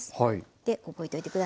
で覚えといて下さい。